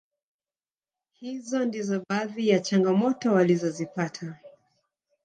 Hizo ndizo baadhi ya changamoto walizozipata